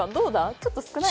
ちょっと少ない？